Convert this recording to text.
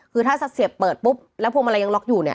คือถ้าเสียบเปิดปุ๊บแล้วพวงมาลัยยังล็อกอยู่เนี่ย